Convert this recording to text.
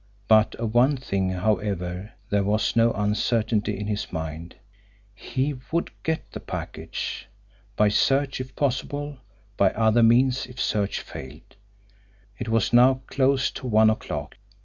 But of one thing, however, there was no uncertainty in his mind he would get the package! by search if possible, by other means if search failed. It was now close to one o'clock.